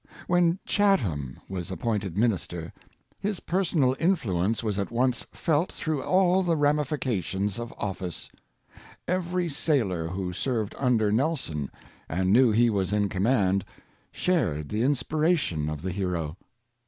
When Chatham was appointed minister, his personal influence was at once felt through all the ramifications of office. Every sailor who served under Nelson, and knew he was in command, shared the in spiration of the hero.